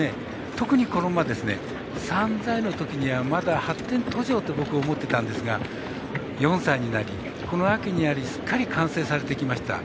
特に、この馬３歳の時にはまだ発展途上って僕は思ってたんですが４歳になり、この秋になりすっかり完成されてきました。